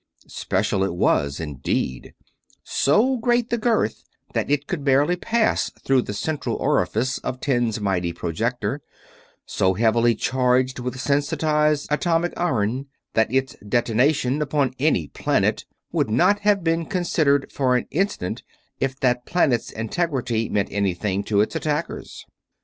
"Special" it was indeed; so great of girth that it could barely pass through the central orifice of Ten's mighty projector, so heavily charged with sensitized atomic iron that its detonation upon any planet would not have been considered for an instant if that planet's integrity meant anything to its attackers.